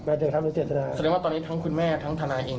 แสดงว่าตอนนี้ทั้งคุณแม่ทั้งทนายเอง